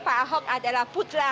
pak ahok adalah putra